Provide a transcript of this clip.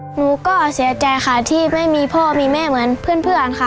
หนูก็เสียใจค่ะที่ไม่มีพ่อมีแม่เหมือนเพื่อนค่ะ